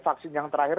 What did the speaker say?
vaksin yang terakhir